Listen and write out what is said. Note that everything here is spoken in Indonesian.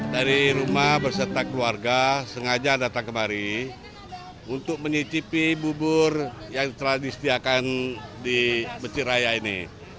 dari rumah berserta keluarga sengaja datang kemari untuk mencicipi bubur yang terhadap di beceraya ini